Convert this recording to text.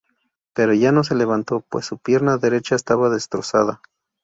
Pero ya no se levantó, pues su pierna derecha estaba destrozada.